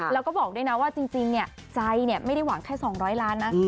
แล้วก็บอกด้วยนะว่าจริงใจไม่ได้หวังแค่๒๐๐ล้านนะ